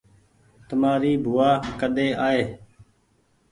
تمآري بووآ ڪۮي آئي